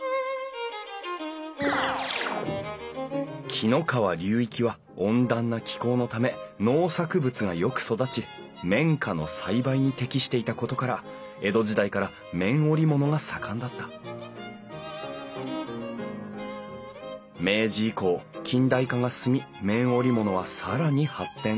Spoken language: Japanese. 紀の川流域は温暖な気候のため農作物がよく育ち綿花の栽培に適していたことから江戸時代から綿織物が盛んだった明治以降近代化が進み綿織物は更に発展。